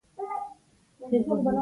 د اورېدلو له لارې موږ غږونه درک کوو.